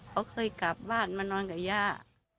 เขาเคยกลับบ้านมานอนกับย่า